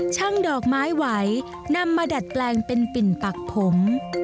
ดอกไม้ไหวนำมาดัดแปลงเป็นปิ่นปักผม